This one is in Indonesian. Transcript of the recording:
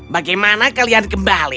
bagaimana kalian kembali